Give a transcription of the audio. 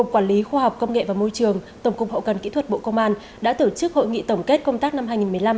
quản lý khoa học công nghệ và môi trường tổng cục hậu cần kỹ thuật bộ công an đã tổ chức hội nghị tổng kết công tác năm hai nghìn một mươi năm